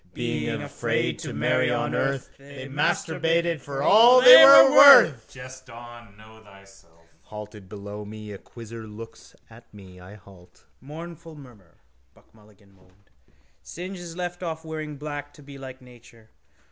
Being afraid to marry on earth They masturbated for all they were worth. Jest on. Know thyself. Halted, below me, a quizzer looks at me. I halt. —Mournful mummer, Buck Mulligan moaned. Synge has left off wearing black to be like nature.